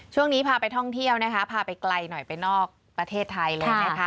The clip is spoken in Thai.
ช่วงนี้พาไปท่องเที่ยวนะคะพาไปไกลหน่อยไปนอกประเทศไทยเลยนะคะ